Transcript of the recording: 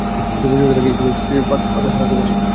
কিছু বুঝে ওঠার আগে ইশা ইজিবাইক থেকে পাকা সড়কে পড়ে যায়।